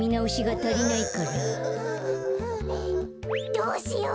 どうしよう。